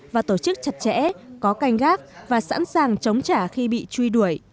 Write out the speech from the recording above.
và tổ chức chặt chẽ có canh gác và sẵn sàng chống trả khi bị truy đuổi